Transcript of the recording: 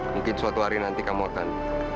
mungkin suatu hari nanti kamu akan